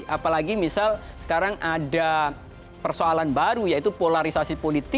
apalagi misal sekarang ada persoalan baru yaitu polarisasi politik